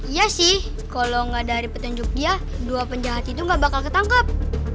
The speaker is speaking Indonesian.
iya sih kalau gak dari petunjuk dia dua penjahat itu gak bakal ketangkep